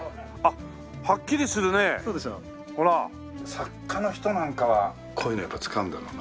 作家の人なんかはこういうのやっぱり使うんだろうな。